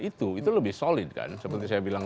itu itu lebih solid kan seperti saya bilang